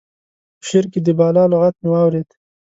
په شعر کې د بالا لغت مې واورېد.